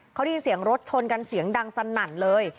เขาได้ยินเสียงรถชนกันเสียงดังสนั่นเลย